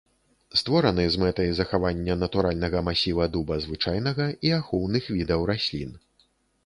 Створаны з мэтай захавання натуральнага масіва дуба звычайнага і ахоўных відаў раслін.